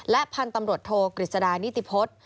และพันธุ์ตำรวจโทษกริจฎานิติพฤษ